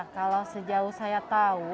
kalau sejauh saya tahu